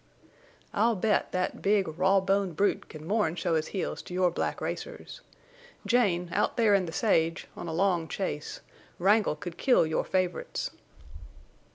"I'll bet that big raw boned brute can more'n show his heels to your black racers. Jane, out there in the sage, on a long chase, Wrangle could kill your favorites."